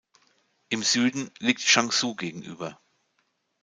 Im Süden liegt Changzhou gegenüber.